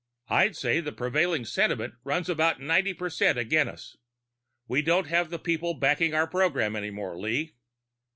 I'd say the prevailing sentiment runs about ninety percent agin us. We don't have the people backing our program any more, Lee."